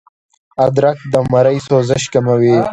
ادرک د مرۍ سوزش کموي